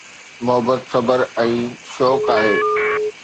محبت صبر ۽ شوق آهي